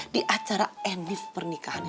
di acara enif pernikahan